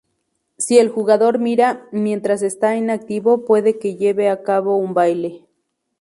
Si el jugador mira, mientras está inactivo, puede que lleve a cabo un baile.